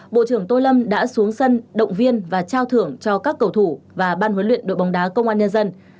bộ trưởng tô lâm đã xuống sân động viên và trao thưởng cho các cầu thủ và ban huấn luyện đội bóng đá công an nhân dân